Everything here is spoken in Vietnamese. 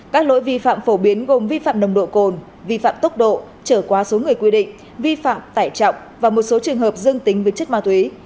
các lỗi vi phạm phổ biến gồm vi phạm nồng độ cồn vi phạm tốc độ trở quá số người quy định vi phạm tải trọng và một số trường hợp dương tính với chất ma túy